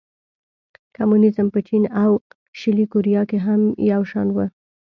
کمونېزم په چین او شلي کوریا کې هم یو شان و.